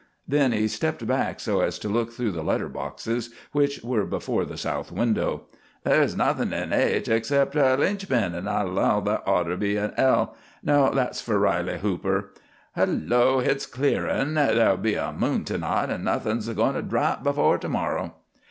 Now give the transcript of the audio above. Then he stepped back so as to look through the letter boxes, which were before the south window. "There's nothin' in H except a linch pin, an' I 'low that oughter be in L no, that's for Riley Hooper. Hello! hit's clearin'. There'll be a moon to night, an' nothin' 's goin' to drap afore to morrow."